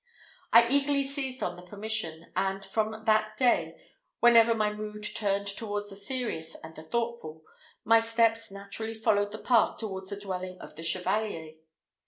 I eagerly seized on the permission, and from that day, whenever my mood turned towards the serious and the thoughtful, my steps naturally followed the path towards the dwelling of the Chevalier.